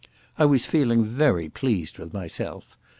I was feeling very pleased with myself.